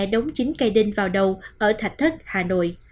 đóng chính cây đinh vào đầu ở thạch thất hà nội